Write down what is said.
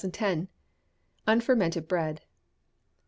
Unfermented Bread.